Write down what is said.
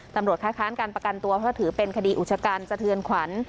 ตำรวจค้าการประกันตัวถือเป็นคดีอุชกรรมสะเทือนขวัญ